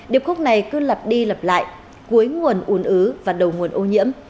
điệp khúc này cứ lập đi lập lại cuối nguồn uốn ứ và đầu nguồn ô nhiễm